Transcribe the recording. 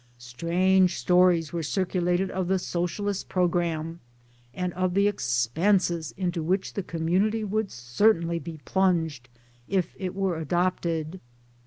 Strange stories were circulated of the Socialist programme, and of the expenses into which the community would certainly be plunged if it were adopted.